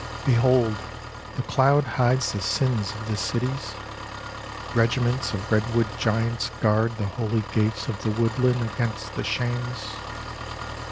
Behold, the cloud hides the sins of the cities — regiments of redwood giants guard the holy gates of the woodland against the shames